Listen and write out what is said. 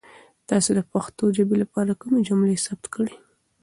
تاسو د پښتو ژبې لپاره کومې جملې ثبت کړي؟